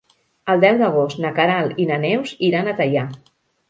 El deu d'agost na Queralt i na Neus iran a Teià.